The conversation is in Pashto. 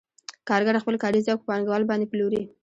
کارګر خپل کاري ځواک په پانګوال باندې پلوري